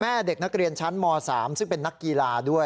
เด็กนักเรียนชั้นม๓ซึ่งเป็นนักกีฬาด้วย